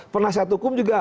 penasihat hukum juga